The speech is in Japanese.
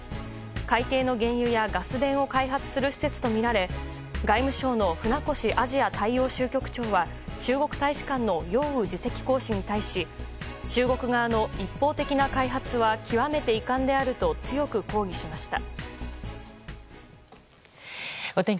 海底の原油やガス田を開発する施設とみられ外務省の船越アジア大洋州局長は中国大使館のヨウ・ウ次席公使に対し中国側の一方的な開発は極めて遺憾であると強く抗議しました。